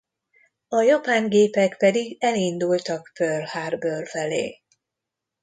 A japán gépek pedig elindultak Pearl Harbor felé.